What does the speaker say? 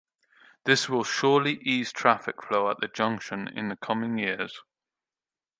This will surely ease traffic flow at the junction in the coming years.